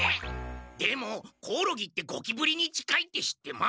でもコオロギってゴキブリに近いって知ってます？